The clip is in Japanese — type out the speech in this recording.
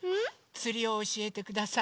つりをおしえてください。